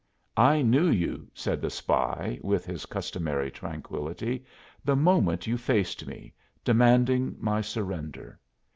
"I knew you," said the spy, with his customary tranquillity, "the moment you faced me, demanding my surrender.